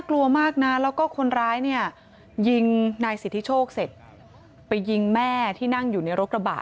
กลัวมากนะแล้วก็คนร้ายเนี่ยยิงนายสิทธิโชคเสร็จไปยิงแม่ที่นั่งอยู่ในรถกระบะ